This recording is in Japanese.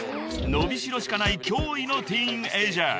［伸びしろしかない驚異のティーンエージャー］